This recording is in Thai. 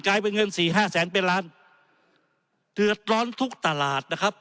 กลายเป็นเงินสี่ห้าแสนเป็นล้านเดือดร้อนทุกตลาดนะครับ